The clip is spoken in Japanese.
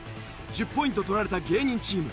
１０ポイント取られた芸人チーム。